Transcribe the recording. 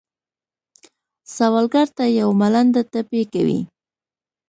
سوالګر ته یو ملنډه ټپي کوي